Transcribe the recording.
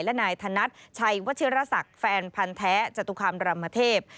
และนายธนัดชัยวัชิรษักแฟนพันธ์แท้จตุคามรามเทพ